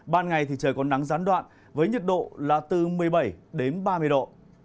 ban ngày thì trời có nắng gián đoạn với nhiệt độ là từ một mươi bảy ba mươi độ